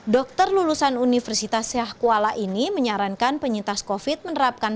dokter lulusan universitas seah kuala ini menyarankan penyintas covid sembilan belas menerapkan